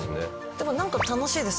でもなんか楽しいです。